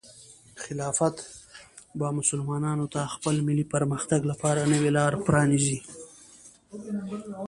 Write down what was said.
خلافت به مسلمانانو ته د خپل ملي پرمختګ لپاره نوې لارې پرانیزي.